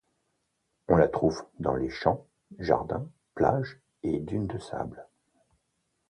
On la trouve dans les champs, jardins, plages et dunes de sables.